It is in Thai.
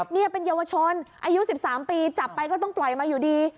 นี่เป็นเยาวชนอายุ๑๓ปีจับไปก็ต้องปล่อยมาอยู่ดี